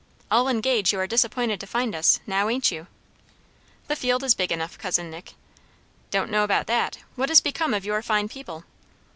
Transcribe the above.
I'll engage you are disappointed to find us now, ain't you?" "The field is big enough, cousin Nick." "Don't know about that. What is become of your fine people?"